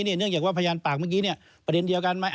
เนื่องจากว่าพยานปากเมื่อกี้ประเด็นเดียวกันไหม